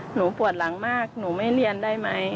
หนูปวดหลังมากหนูไม่เรียนได้ไหม